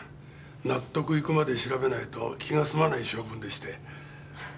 納得いくまで調べないと気が済まない性分でして。